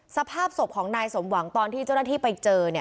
สภาพศพของนายสมหวังตอนที่เจ้าหน้าที่ไปเจอ